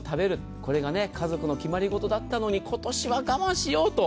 これが家族の決まり事だったのに今年は我慢しようと。